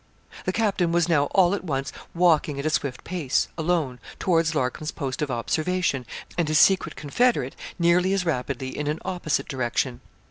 The captain was now all at once walking at a swift pace, alone, towards Larcom's post of observation, and his secret confederate nearly as rapidly in an opposite direction.